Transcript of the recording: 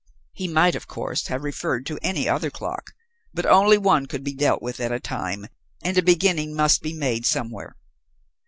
He might, of course, have referred to any other clock, but only one could be dealt with at a time, and a beginning must be made somewhere.